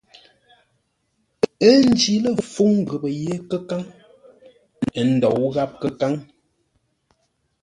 Ə́ njǐ lə̂ fúŋ ghəpə́ yé kə́káŋ, ə́ ndǒu gháp kə́káŋ.